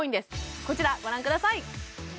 こちらご覧ください